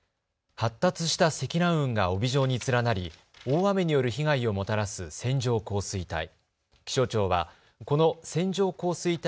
発達した積乱雲が帯状に連なり大雨による被害をもたらす線状降水帯。